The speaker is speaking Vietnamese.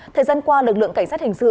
thời gian qua lực lượng cảnh sát hình dự